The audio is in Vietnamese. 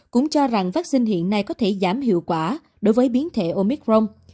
cũng cho rằng vaccine hiện nay có thể giảm hiệu quả đối với biến thể omicron